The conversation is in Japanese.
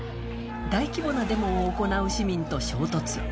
大規模なデモを行う市民と衝突。